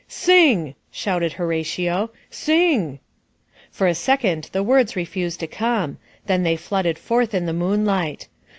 "Sing!" shouted Horatio; Sing!" For a second the words refused to come. Then they flooded forth in the moonlight.